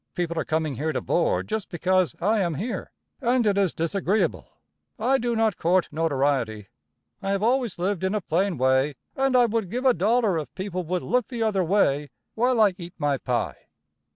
People are coming here to board just because I am here, and it is disagreeable. I do not court notoriety. I have always lived in a plain way, and I would give a dollar if people would look the other way while I eat my pie.